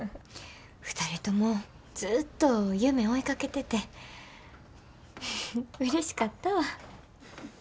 ２人ともずっと夢追いかけててうれしかったわ。